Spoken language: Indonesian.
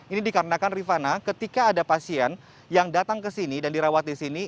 ini dikarenakan rifana ketika ada pasien yang datang ke sini dan dirawat di sini